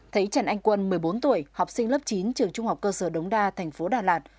thấy trần anh quân một mươi bốn tuổi học sinh lớp chín trường trung học cơ sở đống đa thành phố đà lạt